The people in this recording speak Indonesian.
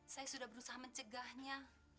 saya sudah berusaha mencegahnya